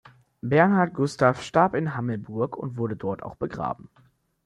Bernhard Gustav starb in Hammelburg und wurde dort auch begraben.